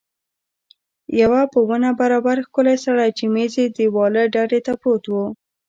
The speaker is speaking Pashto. یو په ونه برابر ښکلی سړی چې مېز یې دېواله ډډې ته پروت و.